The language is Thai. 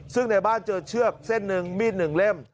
ซึ่งในบ้านเจอเชือกเส้นหนึ่งมีดหนึ่งเล่ม